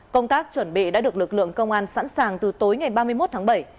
công tác chuẩn bị đã được lực lượng công an sẵn sàng từ tối ngày ba mươi một tháng bảy